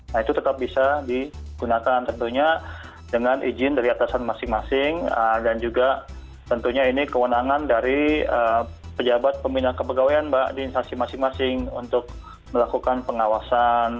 nah itu tetap bisa digunakan tentunya dengan izin dari atasan masing masing dan juga tentunya ini kewenangan dari pejabat pembinaan kepegawaian mbak di instasi masing masing untuk melakukan pengawasan